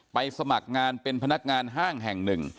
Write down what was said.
สมัครงานเป็นพนักงานห้างแห่งหนึ่ง